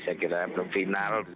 saya kira belum final